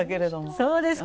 そうですか。